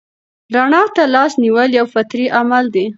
رڼا ته لاس نیول یو فطري عمل دی.